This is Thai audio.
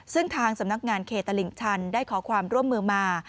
ซึ่งทางสำนักงานเขตตลิ่งชันได้ขอความร่วมมือมา